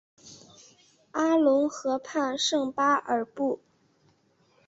盖隆河畔圣巴尔布。